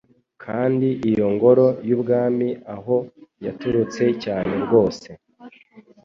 Kandi iyo ngoro yubwami aho yaturutse cyane rwose